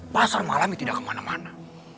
pasar malam tidak kemana mana